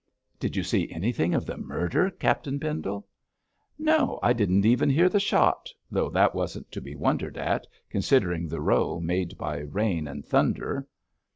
'Did you see anything of the murder, Captain Pendle?' 'No; didn't even hear the shot, though that wasn't to be wondered at, considering the row made by rain and thunder.'